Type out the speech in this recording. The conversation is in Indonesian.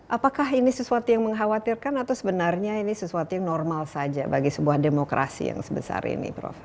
apakah ini sesuatu yang mengkhawatirkan atau sebenarnya ini sesuatu yang normal saja bagi sebuah demokrasi yang sebesar ini prof